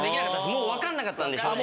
もう分かんなかったんで正直。